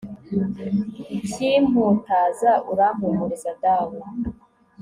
ikimputaza, urampumuriza dawe